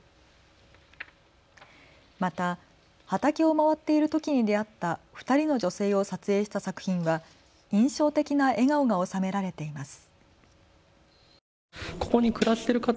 また畑を回っているときに出会った２人の女性を撮影した作品は印象的な笑顔が収められています。